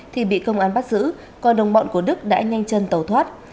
thì bị công an bắt giữ còn đồng bọn của đức đã nhanh chân tàu thoát